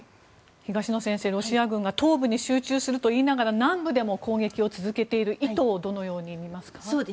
東野先生、ロシア軍が東部に集中すると言いながら南部でも攻撃を続けている意図をどのように見ますか？